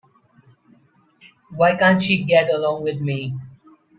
Why can't she get along with me?